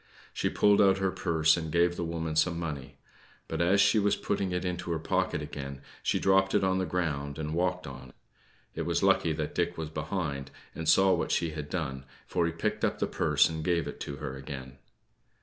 She pulled out her purse and gave the woman some money; but as she was putting it into her pocket again, she dropped it on the ground and walked on. It was lucky that Dick was behind, and saw what she had done, for he picked up the purse and gave it to her again.